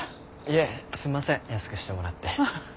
いえすみません安くしてもらって。